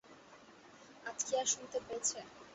আজ কি আর শুনতে পেয়েছে।